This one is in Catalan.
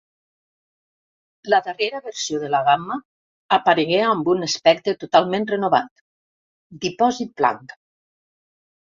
La darrera versió de la gamma aparegué amb un aspecte totalment renovat: dipòsit blanc.